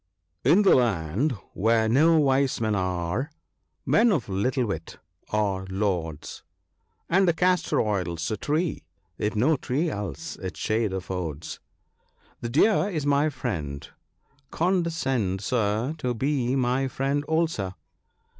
—" In the land where no wise men are, men of little wit are lords ; And the castor oil's a tree, if no tree else its shade affords ( 30 )." The Deer is my friend ; condescend, sir, to be my friend also."